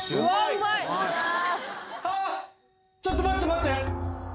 ちょっと待って待って。